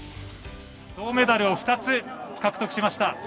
銅メダルを２つ獲得しました。